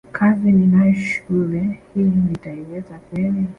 kazi ninayo shule hii nitaiweza kweli